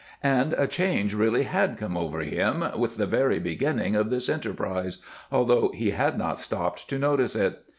And a change really had come over him with the very beginning of this enterprise, although he had not stopped to notice it.